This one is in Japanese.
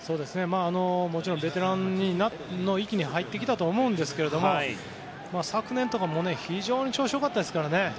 もちろんベテランの域に入ってきたと思うんですけれども昨年とかも非常に調子が良かったですからね。